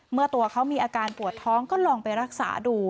เมื่อตัวเขามีอาการปวดท้องก็ลองไปรักษาดู